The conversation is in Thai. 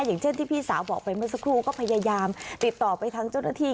อย่างเช่นที่พี่สาวบอกไปเมื่อสักครู่ก็พยายามติดต่อไปทางเจ้าหน้าที่